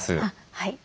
はい。